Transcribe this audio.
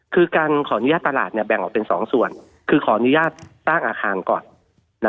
คือการขออนุญาตตลาดแบ่งออกเป็น๒ส่วนคือขออนุญาตสร้างอาคารก่อน